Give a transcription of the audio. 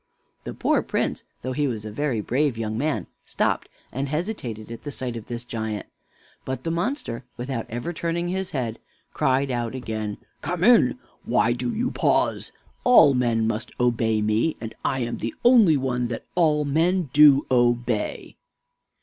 The poor Prince, though he was a very brave young man, stopped and hesitated at the sight of this giant; but the monster, without ever turning his head, cried out again: "Come in! Why do you pause? All men must obey me, and I am the only one that all men do obey."